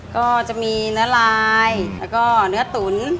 ก็จะมีเนื้อลายเนื้อตุ๋น